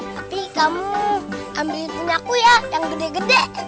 tapi kamu ambilin aku ya yang gede gede